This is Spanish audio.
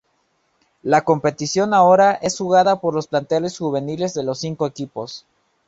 La competición ahora es jugada por los planteles juveniles de los cinco equipos.